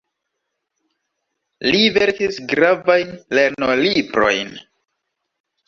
Li verkis gravajn lernolibrojn.